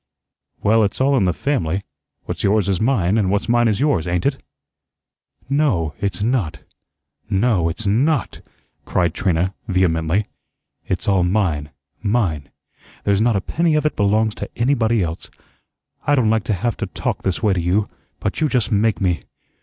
"Well, it's all in the family. What's yours is mine, and what's mine is yours, ain't it?" "No, it's not; no, it's not," cried Trina, vehemently. "It's all mine, mine. There's not a penny of it belongs to anybody else. I don't like to have to talk this way to you, but you just make me.